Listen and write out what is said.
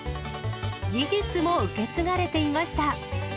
技術も受け継がれていました。